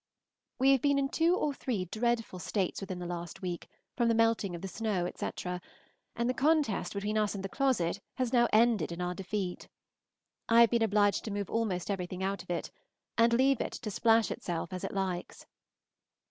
We have been in two or three dreadful states within the last week, from the melting of the snow, etc., and the contest between us and the closet has now ended in our defeat. I have been obliged to move almost everything out of it, and leave it to splash itself as it likes.